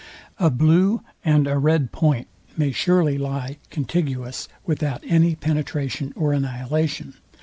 A blue and a red point may surely lie contiguous without any penetration or annihilation.